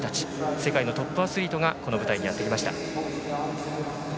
世界のトップアスリートがこの舞台にやってきました。